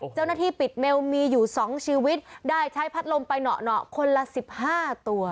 เจ้าหน้าที่ปิดเมลมีอยู่๒ชีวิตได้ใช้พัดลมไปเหนาะคนละ๑๕ตัว